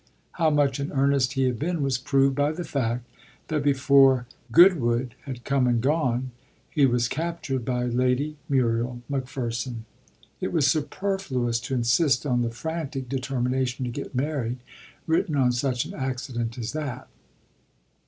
How much in earnest he had been was proved by the fact that before Goodwood had come and gone he was captured by Lady Muriel Macpherson. It was superfluous to insist on the frantic determination to get married written on such an accident as that.